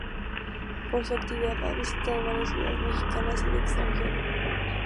Por su actividad, ha visitado varias ciudades mexicanas y del extranjero.